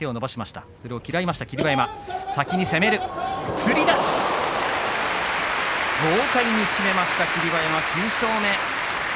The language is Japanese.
つり出し豪快にきめました霧馬山、９勝目。